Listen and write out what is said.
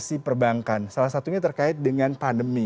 informasi perbankan salah satunya terkait dengan pandemi